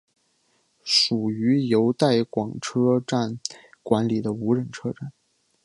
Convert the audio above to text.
属于由带广车站管理的无人车站。